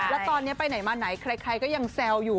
แล้วตอนนี้ไปไหนมาไหนใครก็ยังแซวอยู่